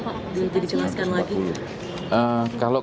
sebelum itu dijelaskan lagi